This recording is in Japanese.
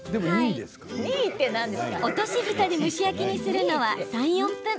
落としぶたで蒸し焼きにするのは３、４分。